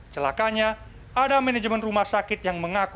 celakanya ada manajemen rumah sakit yang mengaku